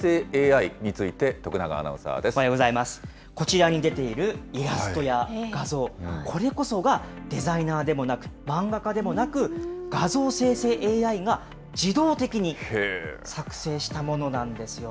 こちらに出ているイラストや画像、これこそがデザイナーでもなく、漫画家でもなく、画像生成ＡＩが自動的に作成したものなんですよ。